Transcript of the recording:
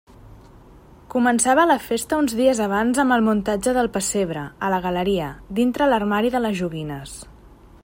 Començava la festa uns dies abans amb el muntatge del pessebre, a la galeria, dintre l'armari de les joguines.